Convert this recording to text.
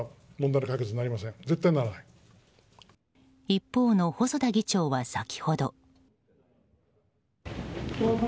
一方の細田議長は先ほど。